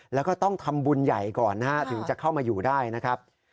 แล้วก็ต้องทำบุญใหญ่ก่อนนะฮะถึงจะเข้ามาอยู่ได้นะครับ